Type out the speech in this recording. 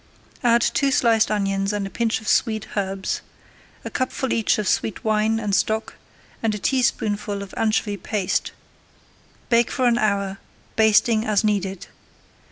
Add two sliced onions and a pinch of sweet herbs, a cupful each of sweet wine and stock, and a teaspoonful of anchovy paste. Bake for an hour, basting as needed.